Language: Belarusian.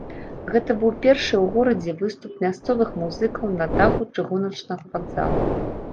Гэта быў першы ў горадзе выступ мясцовых музыкаў на даху чыгуначнага вакзала.